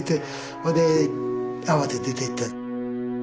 それで慌てて出ていった。